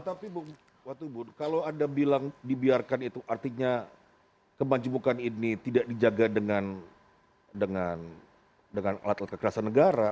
tapi bu watubun kalau anda bilang dibiarkan itu artinya kemanjubukan ini tidak dijaga dengan alat kekerasan negara